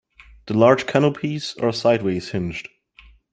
The large canopies are sideways hinged.